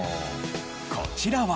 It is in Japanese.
こちらは。